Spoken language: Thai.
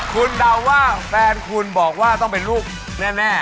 คุณเดาว่าแฟนคุณบอกว่าต้องเป็นลูกแน่